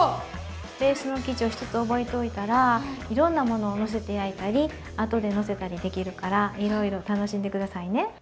ベースの生地を一つ覚えておいたらいろんなものをのせて焼いたり後でのせたりできるからいろいろ楽しんで下さいね。